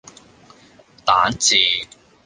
蛋治